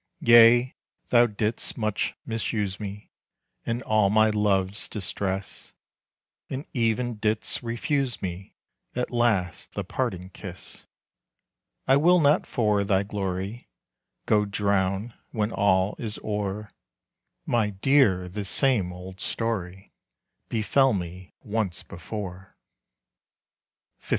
Yea, thou did'st much misuse me, In all my love's distress, And even didst refuse me At last the parting kiss. I will not for thy glory Go drown, when all is o'er; My dear, this same old story Befell me once before. LVIII.